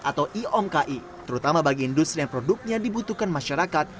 atau iomki terutama bagi industri yang produknya dibutuhkan masyarakat